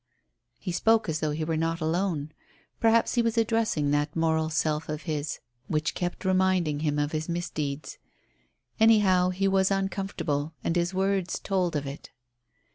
He spoke as though he were not alone. Perhaps he was addressing that moral self of his which kept reminding him of his misdeeds. Anyhow, he was uncomfortable, and his words told of it.